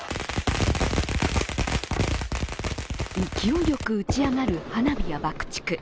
勢いよく打ち上がる花火や爆竹。